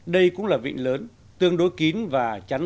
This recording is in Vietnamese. đây cũng là vịnh lớn tương đối kín và chắn